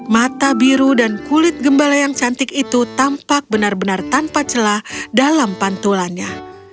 mata biru dan kulit gembala yang cantik itu tampak benar benar tanpa celah dalam pantulannya